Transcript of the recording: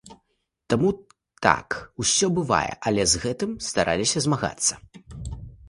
Таму, так, усё бывае, але з гэтым стараліся змагацца.